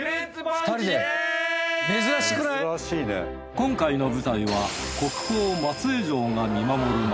今回の舞台は国宝松江城が見守る街